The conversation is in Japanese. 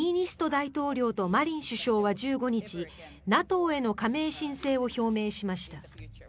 大統領とマリン首相は１５日ＮＡＴＯへの加盟申請を表明しました。